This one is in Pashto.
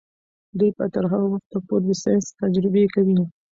دوی به تر هغه وخته پورې د ساینس تجربې کوي.